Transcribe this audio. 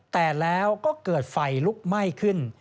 แต่แล้วก็เกิดไฟลุกไหม้ขึ้น